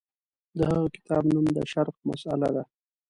د هغه کتاب نوم د شرق مسأله ده.